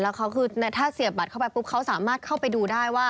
แล้วเขาคือถ้าเสียบบัตรเข้าไปปุ๊บเขาสามารถเข้าไปดูได้ว่า